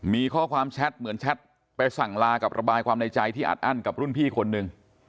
มีข้อความแชทเหมือนแชทไปสั่งลากับระบายความในใจที่อัดอั้นกับรุ่นพี่คนหนึ่ง